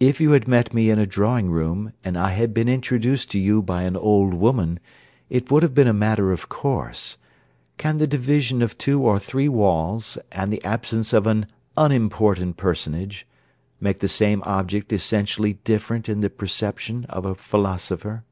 If you had met me in a drawing room, and I had been introduced to you by an old woman, it would have been a matter of course: can the division of two or three walls, and the absence of an unimportant personage, make the same object essentially different in the perception of a philosopher?'